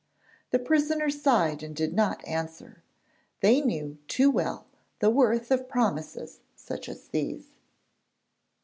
The prisoners sighed and did not answer: they knew too well the worth of promises such as these.